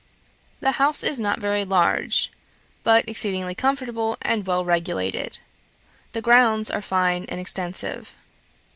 "The house is not very large, but exceedingly comfortable and well regulated; the grounds are fine and extensive.